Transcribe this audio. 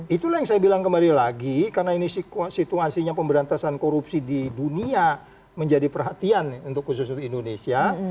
itulah yang saya bilang kembali lagi karena ini situasinya pemberantasan korupsi di dunia menjadi perhatian untuk khusus untuk indonesia